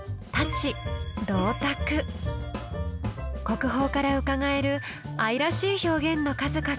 国宝からうかがえる愛らしい表現の数々。